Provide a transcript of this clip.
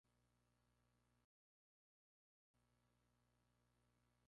Éste puede haber sido el caso aquí.